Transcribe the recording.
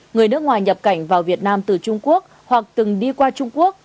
người nước ngoài nhập cảnh vào việt nam từ trung quốc hoặc từng đi qua trung quốc